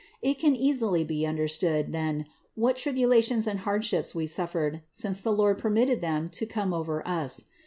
It can easily be understood, then, what tribulations and hardships we suf fered, since the Lord permitted them to come over Us.